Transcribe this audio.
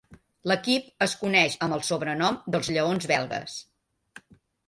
L'equip es coneix amb el sobrenom dels Lleons Belgues.